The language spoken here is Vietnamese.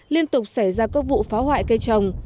liên tục xảy ra các vụ phá hoại cây trồng